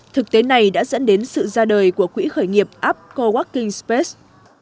thực tế này đã dẫn đến sự ra đời của quỹ khởi nghiệp upco working space